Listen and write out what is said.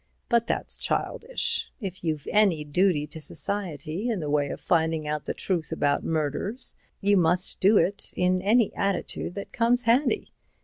But that's childish. If you've any duty to society in the way of finding out the truth about murders, you must do it in any attitude that comes handy.